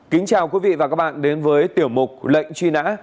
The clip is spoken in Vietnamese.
kính chào quý vị và các bạn đến với tiểu mục lệnh truy nã